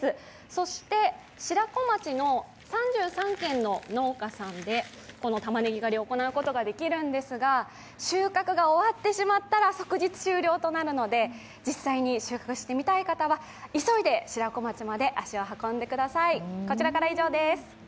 そして、白子町の３３軒の農家さんでこの玉ねぎ狩りを行うことができるんですが、収穫が終わってしまったら即日終了となるので、実際に収穫してみたい方は急いで白子町まで足を運んでください。